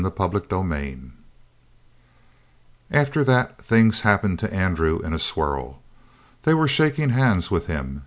CHAPTER 14 After that things happened to Andrew in a swirl. They were shaking hands with him.